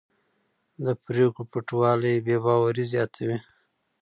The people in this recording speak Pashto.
د پرېکړو پټوالی بې باوري زیاتوي